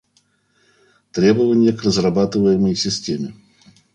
Требования к разрабатываемой системе